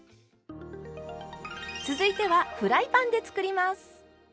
続いてはフライパンで作ります。